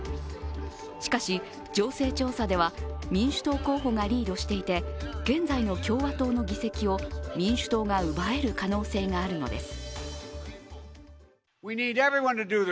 しかし、情勢調査では民主党候補がリードしていて現在の共和党の議席を民主党が奪える可能性があるのです。